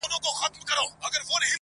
چي ګوربت د غره له څوکي په هوا سو -